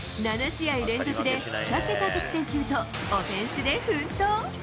７試合連続で２桁得点中とオフェンスで奮闘。